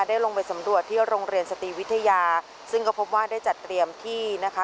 ได้ลงไปสำรวจที่โรงเรียนสตรีวิทยาซึ่งก็พบว่าได้จัดเตรียมที่นะคะ